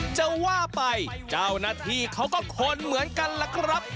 เจ้าว่าไปเจ้าณาธิเขาก็คนเหมือนกันล่ะครับ